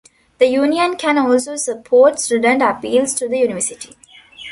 The Union can also support student appeals to the University.